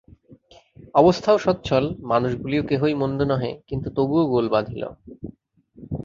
অবস্থাও সচ্ছল, মানুষগুলিও কেহই মন্দ নহে, কিন্তু তবুও গোল বাধিল।